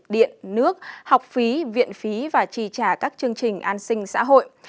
điện nước học phí viện phí và trì trả các chương trình an sinh xã hội